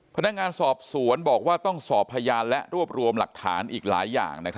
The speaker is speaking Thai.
พนักงานสอบสวนบอกว่าต้องสอบพยานและรวบรวมหลักฐานอีกหลายอย่าง